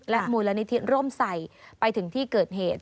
มูลนิธิร่มใส่ไปถึงที่เกิดเหตุ